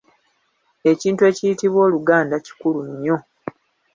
Ekintu ekiyitibwa “Oluganda” kikulu nnyo.